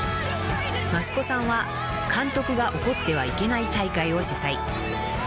［益子さんは監督が怒ってはいけない大会を主催］